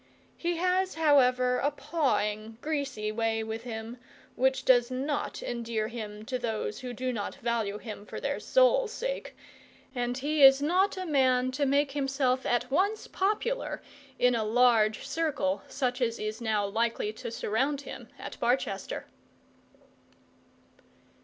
He has, however, a pawing, greasy way with him, which does not endear him to those who do not value him for their souls' sake, and he is not a man to make himself at once popular in a large circle such as is now likely to surround him at Barchester.